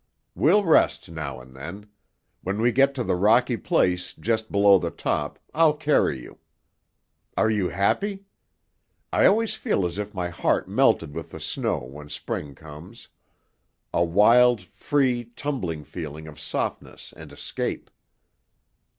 We'll rest now and then; when we get to the rocky place just below the top, I'll carry you. Are you happy? I always feel as if my heart melted with the snow when spring comes a wild, free, tumbling feeling of softness and escape."